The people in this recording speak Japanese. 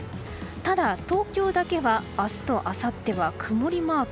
ただ、東京だけは明日とあさっては曇りマーク。